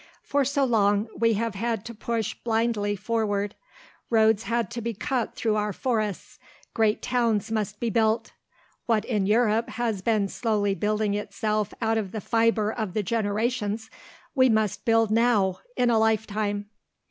For so long we have had to push blindly forward. Roads had to be cut through our forests, great towns must be built. What in Europe has been slowly building itself out of the fibre of the generations we must build now, in a lifetime.